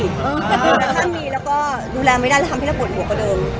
แต่ถ้ามีแล้วก็ดูแลไม่ได้ทำให้เราบ่นหัวก็เดิน